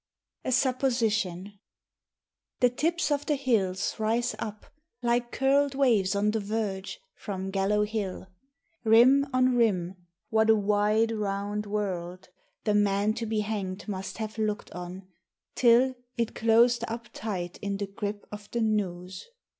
A SUPPOSITION. THE tips of the hills rise up, like curled Waves on the verge, from Gallow Hill : Rim on rim what a wide, round world The man to be hanged must have looked on, till It closed up tight in the grip of the noose.